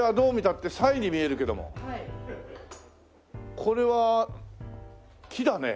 これは木だね。